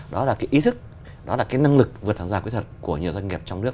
đó là cái ý thức đó là cái năng lực vượt thẳng ra kỹ thuật của nhiều doanh nghiệp trong nước